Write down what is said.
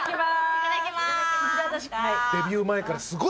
いただきまーす。